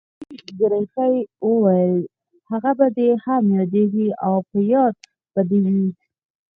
کانت ګریفي وویل هغه به دې هم یادیږي او په یاد به دې وي.